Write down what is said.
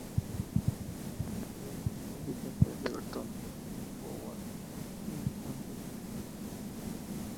Fue el tercer fichaje del Everton tras Tim Howard y Andrew Johnson.